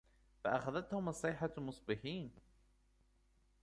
فأخذتهم الصيحة مصبحين